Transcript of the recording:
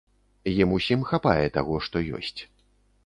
Ім ўсім хапае таго, што ёсць.